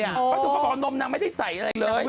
ตัวตัวเขาบอกนมนางไม่ได้ใส่อะไรเลย